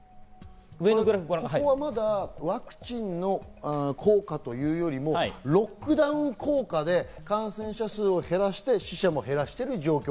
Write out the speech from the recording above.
ここはまだワクチンの効果というよりも、ロックダウン効果で感染者数を減らして、死者も減らしてる状況。